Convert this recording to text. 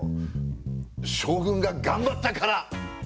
将軍が頑張ったからみたいな。